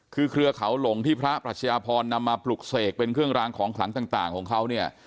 คือเครือเขาหลงที่พระปรัชญาพรนำมาปลุกเสกเป็นเครื่องรางของขลังต่างของเขาเนี่ย